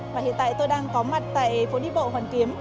và hiện tại tôi đang có mặt tại phố đi bộ hoàn kiếm